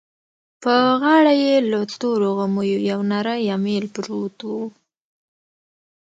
په غاړه يې له تورو غميو يو نری اميل پروت و.